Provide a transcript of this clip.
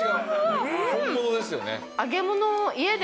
本物ですよね。